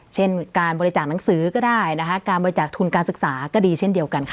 เช่นการบริจาคหนังสือก็ได้นะคะการบริจาคทุนการศึกษาก็ดีเช่นเดียวกันค่ะ